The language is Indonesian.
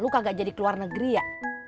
kamu tidak menjadi keluar negeri ya